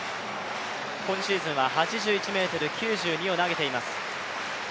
今シーズンは８１ｍ９２を投げています。